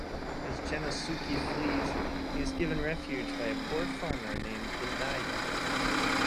As Gennosuke flees, he is given refuge by a poor farmer named Gundayu.